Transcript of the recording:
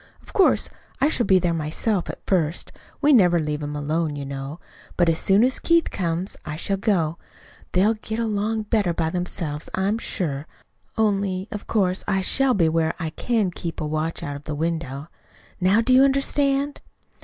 Of course, I shall be there myself, at first. We never leave him alone, you know. But as soon as Keith comes, I shall go. They'll get along better by themselves, I'm sure only, of course, I shall be where I can keep watch out of the window. Now do you understand?"